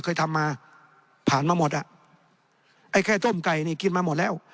เคยทำมาผ่านมาหมดอ่ะไอ้แค่ต้มไก่นี่กินมาหมดแล้ว